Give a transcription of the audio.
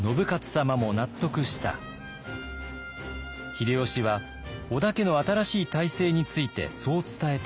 秀吉は織田家の新しい体制についてそう伝えた